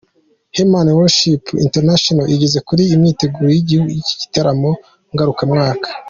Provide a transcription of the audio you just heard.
Heman worshipers International igeze kure imyiteguro y'iki gitaramo ngarukamwaka.